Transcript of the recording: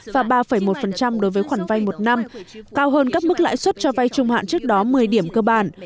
và ba một đối với khoản vay một năm cao hơn các mức lãi suất cho vay trung hạn trước đó một mươi điểm cơ bản